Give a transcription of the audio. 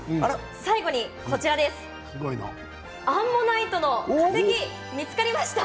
最後にアンモナイトの化石見つかりました。